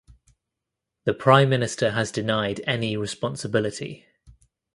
The Prime Minister has denied any responsibility.